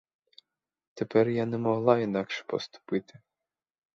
Тепер я не могла інакше поступити.